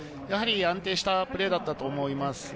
やはり安定したプレーだったと思います。